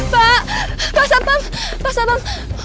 pak pak sabam pak sabam